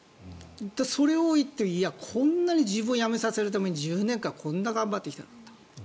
それを言われてこんなに自分をやめさせるために１０年間こんなに頑張ってきたのかと。